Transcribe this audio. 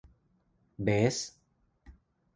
เบส